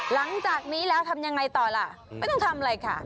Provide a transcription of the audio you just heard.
หลังจากนี้แล้วทำยังไงต่อล่ะไม่ต้องทำอะไรค่ะ